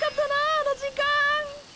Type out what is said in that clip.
あの時間。